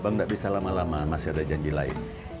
bang gak bisa lama lama masih ada janji lain